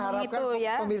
masa itu kita akan lihat